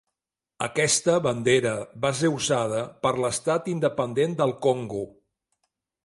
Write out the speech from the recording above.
Aquesta bandera va ser usada per l'Estat independent del Congo.